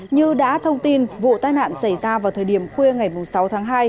như đã thông tin vụ tai nạn xảy ra vào thời điểm khuya ngày sáu tháng hai